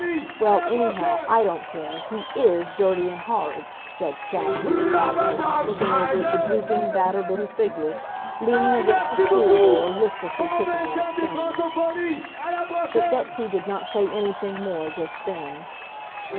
"Well, anyhow, I don't care; he IS dirty and horrid!" said Stashie emphatically, looking over at the drooping, battered little figure, leaning against the school door, listlessly kicking at a stone. But Betsy did not say anything more just then.